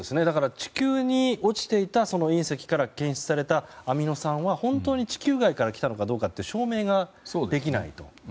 地球に落ちていた隕石から検出されたアミノ酸は本当に地球外から来たのかどうか証明ができないと。